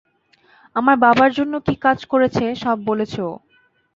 আমার বাবার জন্য কী কাজ করেছে, সব বলেছে ও।